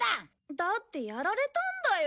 だってやられたんだよ。